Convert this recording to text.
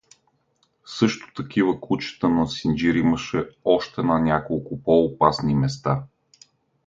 Също такива кучета на синджир имаше още на няколко по-опасни места.